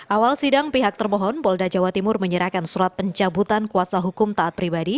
awal sidang pihak termohon polda jawa timur menyerahkan surat pencabutan kuasa hukum taat pribadi